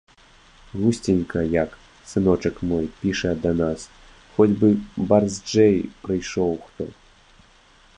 Гусценька як, сыночак мой піша да нас, хоць бы барзджэй прыйшоў хто.